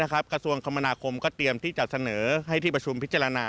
กระทรวงคมนาคมก็เตรียมที่จะเสนอให้ที่ประชุมพิจารณา